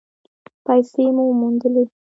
پیسې مو وموندلې؟